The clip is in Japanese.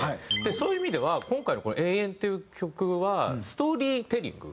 そういう意味では今回の『永遠』っていう曲はストーリーテリング。